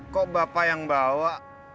kok bapak yang bawa